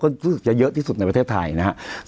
คือจะเยอะที่สุดในประเทศไทยนะฮะ